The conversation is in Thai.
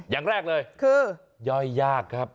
อย่างแรกเลยคือย่อยยากครับ